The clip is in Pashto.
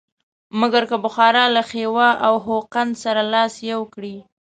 مګر که بخارا له خیوا او خوقند سره لاس یو کړي.